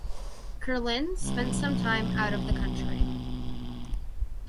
Kerlin spent some time out of the country.